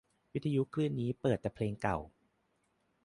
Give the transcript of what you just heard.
วิทยุคลื่นนี้เปิดแต่เพลงเก่า